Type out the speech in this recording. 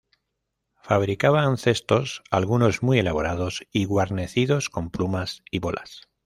Fabricaban cestos, algunos muy elaborados y guarnecidos con plumas y bolas.